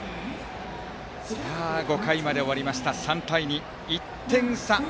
５回まで終わって３対２、１点差。